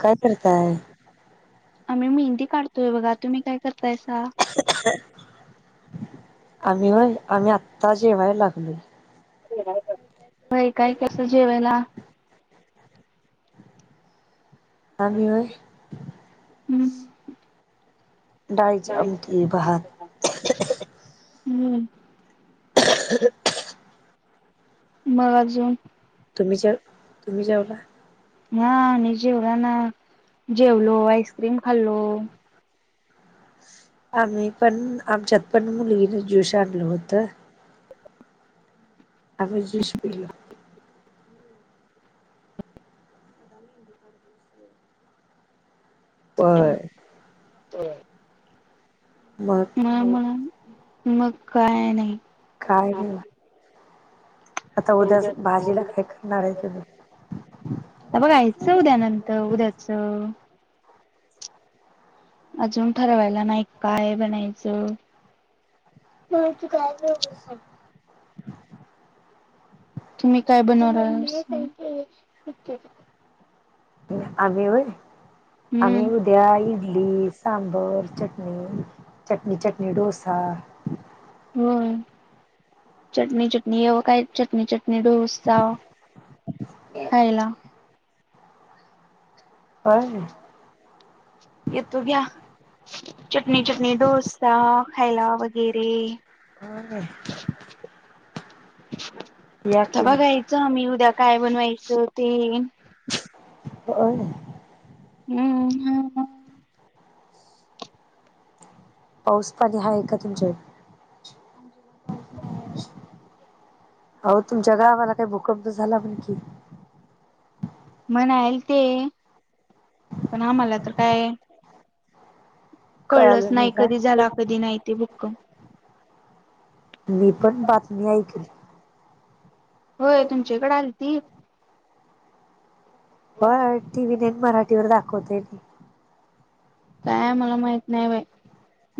काय करताय? आम्ही मेहंदी काढतोय बघा तुम्ही काय करतायसा? आम्ही होय आम्ही आत्ता जेवाय लागलोय. काय कसं जेवायला? आम्ही होय डाळीची आमठी भात हम्म मग अजून? तुम्ही जेवला तुम्ही जेवला? हा आम्ही जेवण जेवलो ना आईस्क्रीम खाल्लो. आम्ही पण आमच्यात पण, मुलगीने जूश आणल होतं. आम्ही जूश पिलो. [inaudible] व्हय. [unintelligible] मग? म, म, मग काय नाही. काय नाही. आता उद्याच भाजीला खाय करणार आहे तुम्ही? बघायचं उद्यानंतर उद्याचं. अजून ठरवायला नाही, काय बनायचं? [unintelligible] तुम्ही काय बनवणार [unintelligible] आम्ही होय? आम्ही उद्या इडली, सांबर, चटणी, चटणी चटणी, डोसा- [unintelligible] होय, चटणी, चटणी येव काय, चटणी, चटणी डोसा. [inaudible] खायला? होय. येतूरला. चटणी, चटणी डोसा खायला वगैरे. [inaudible] बघायच, आम्ही उद्या काय बनवायचं ते. हो. [unintelligible] पाऊस पाणी हाय का तुमच्याकड? आवो, तुमच्या गावाला काय भूकंप झाला म्हण की? म्हणायल ते, पण आम्हाला तर काय- कळलंच नाही, कधी झाला, कधी नाही ते भुकंप. मी पण बातमी ऐकली. होय, तुमच्याकडे आलती? होय, टी व्ही नाईन मराठीवर दाखवतय. काय मला माहित नाही बाई,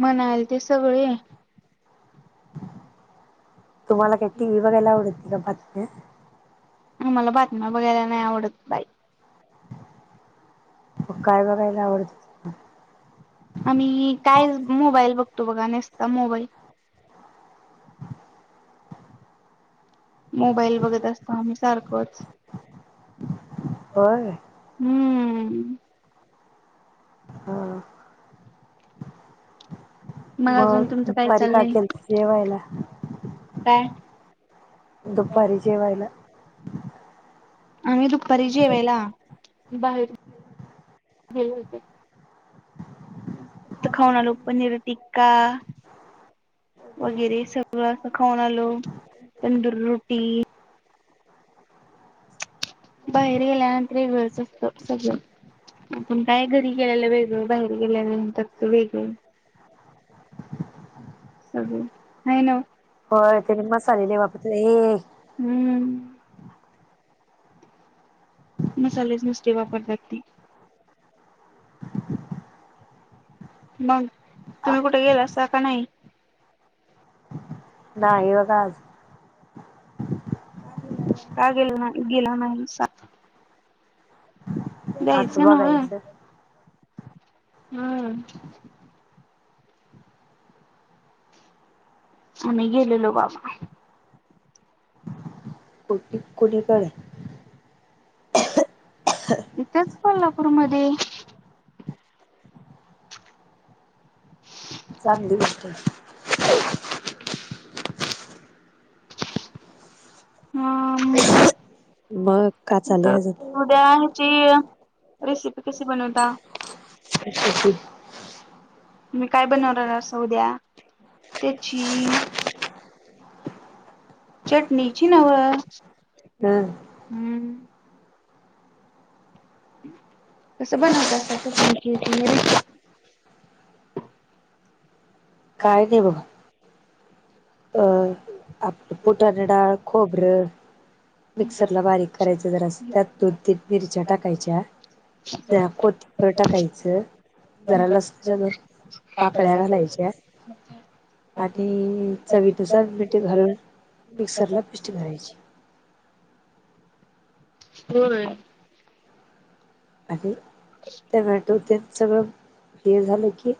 म्हणायलती सगळी. तुम्हाला काय टी व्ही बघायला आवडत नाही बातम्या? मला बातम्या बघायला नाही आवडत बाई. मग काय बघायला आवडतं? आम्ही कायच, मोबाईल बघतो बघा, नीसता मोबाईल. मोबाईल बघत असतो, आम्ही सारखंच. बर. हम्म. [unintelligible] मग दुपारी का केल जेवायला? दुपारी जेवा‌यला? आम्ही दुपारी जेवायला बाहेर गेलो होतो. खाऊन आलो पनीर टिक्का वगैरे सग सगळं असं खाऊन आलो तंदूर रोटी बाहेर गेल्यानंतर एक वेळच असतो सगळं आपण काय घरी केलेल वेगळं बाहेर गेल्यालानंतरच वेगळं हाय नव्हं होय त्याने मसालेले वापरतात ये हम्म मसालेच नुसते वापरतात ती मग तुम्ही कुठे गेल असा का नाही नाही बघा आज का गेला नाही गेला नाहीसा असं बघायचं‌ हम्म आणि गेलेलो बाबा कु [unintelligible] कुणी कडं इथच कोल्हापूरमध्ये चांगली होते हम मग का चाललय‌ अजून उद्या ह्याची रेसिपी कशी बनवता [unintelligible] तुम्ही काय बनवणारासा उद्या त्याची चटणीची नव्हं हम‌ हम्म कसं बनवतासा चटणीची रेसिपी काय नई बघ अ आपलं फूटान डाळ खोबरं मिक्सरला बारीक करायच जरास त्यात दोन तीन मिरच्या टाकायच्या ज कोती बीर टाकायचं जरा लसणच्या पाकळ्या घालायच्या [unintelligible] आणि चवीनुसार मीठ घालून मिक्सर ला पिष्ट करायची होय आणि टोमॅटो ते सगळं हे झालं की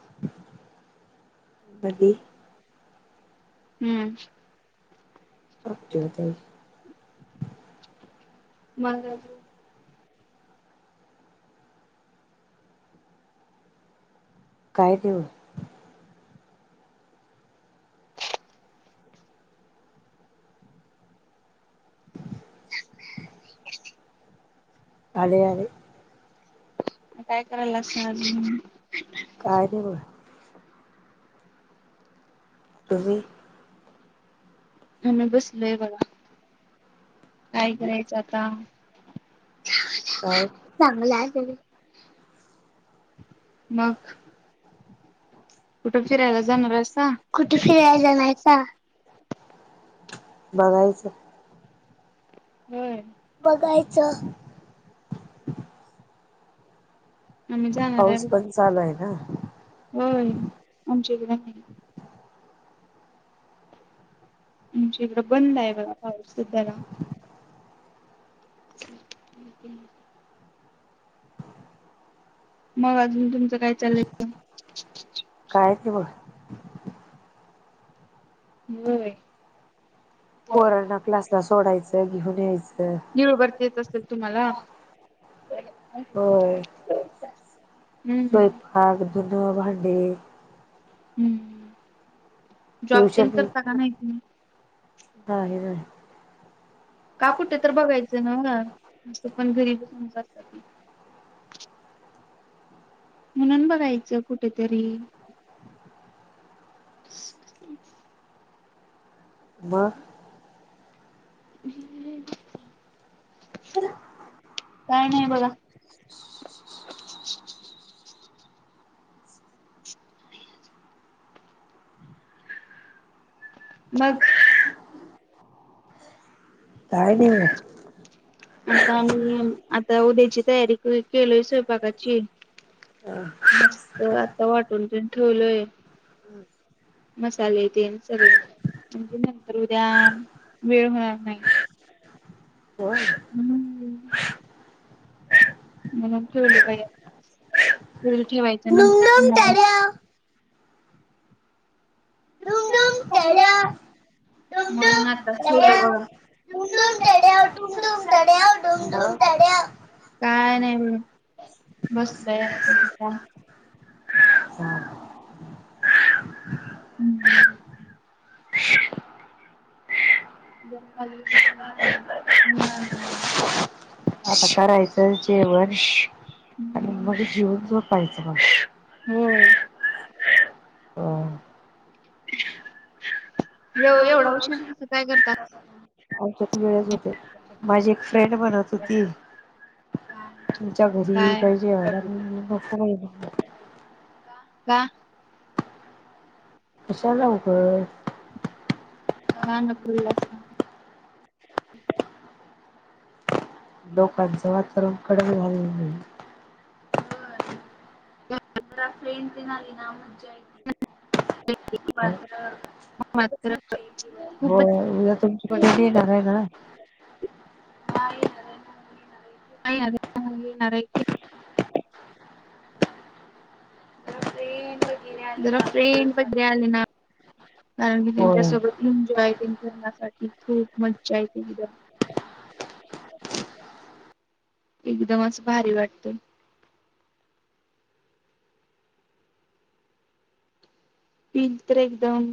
मध्ये हम्म [unintelligible] [unintelligible] काय देऊ? [unintelligible] आले, आले काय करायला सा अजून काय नाही बघा तुम्ही आम्ही बसलोय बघा काय करायच आता. चांगल मग. कुठे फिरायला जाणार आहे? कुठे फिरायला जाणार आहेसा? बघायचं‌. होय. बघायचं. आम्ही जाणार आहे बघ. होय. आमच्याइकड आमच्याकड बंद आहे बघा. पाऊस [unintelligible] [inaudible] मग अजून तुमचं काय चाललंय? काय नाही बग. होय. [unintelligible] तेच असेल तुम्हाला. हो. स्वयंपाक धुन भांडी हम्म. जॉब तेन करता का नाही तुम्ही? नाही ना. का? कुठे तर बघायचं ना, अस पण घरी बसूनच असता. म्हणून बघायचं कुठेतरी. म [inaudible] काय नाही बघा. मग. काय नाही बघा. आता आम्ही आता उद्याची तयारी केलोय स्वयंपाकाची. हा. मस्त आता वाटून पण ठेवलय. मसाले तेन सगळे. म्हणजे नंतर उद्या वेळ होणार नाही. हम्म. म्हणून ठेवलं बाया. ते ठेवायचं नंतर. [unintelligible] [unintelligible] [unintelligible] काय नाही बघा. बसलोय आता. [inaudible] [inaudible] [unintelligible] आता करायचं जेवण. आणि मग जेवून झोपायचं. होय. [inaudible] एव-एवढा उशीर कसं काय करताय? आमच्यात वेळच होतोय. माझी एक फ्रेंड म्हणत होती. तुमच्या घरी येऊ काय जेवायला? नको बाई म्हण का? कशा जाऊकर. का न खुल्लाच. लोकांचं वातावरण कडम झालेलं नाही. [unintelligible] तेन आली ना मज्जाये. [unintelligible] हो ते [unintelligible] करय का [unintelligible] नाही अ न [unintelligible] जरा फ्रेंडएबले आहे ना, कारण की त्यांच्यासोबत इंजॉय येते घिरण्यासाठी खूप मज्जा येते एकदम. एकदमच भारी वाटते. फील तर एकदम